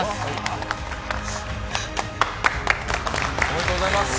おめでとうございます。